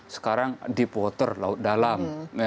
sekarang deep water laut dalam